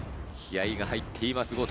気合が入っています